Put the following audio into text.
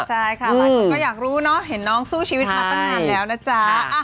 ใช่ค่ะหลายคนก็อยากรู้เนอะเห็นน้องสู้ชีวิตมาตั้งนานแล้วนะจ๊ะ